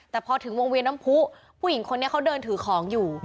แต่พอถึงวงเวียนน้ำผู้ผู้หญิงคนนี้เขาเดินถือของอยู่